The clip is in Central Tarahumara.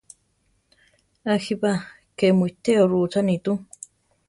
A jíba! ké mu iteó rúchani tu!